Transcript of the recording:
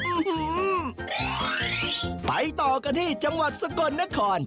อื้อหือไปต่อกันที่จังหวัดสกลนคร